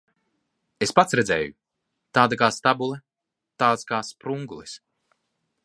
Es pats redzēju. Tāda kā stabule, tāds kā sprungulis.